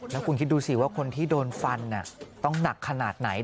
แล้วคุณคิดดูสิว่าคนที่โดนฟันต้องหนักขนาดไหน